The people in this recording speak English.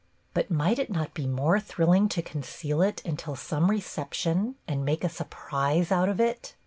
But might it not be more thrilling to conceal it until some reception and make a surprise out of it.?